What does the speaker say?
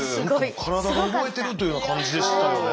体が覚えてるというような感じでしたよね。